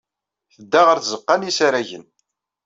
Tedda ɣer tzeɣɣa n yisaragen.